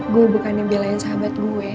gue bukannya belain sahabat gue